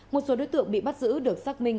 một số đối tượng bị bắt giữ được xác minh